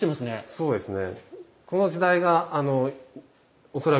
そうですね。